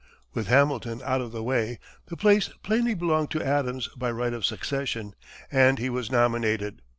With Hamilton out of the way, the place plainly belonged to Adams by right of succession, and he was nominated.